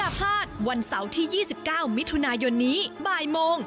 พาทวันเสาร์ที่๒๙มิถุนายนนี้บ่ายโมง